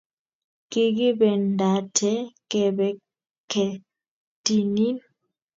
Kigibendate kebe kertinin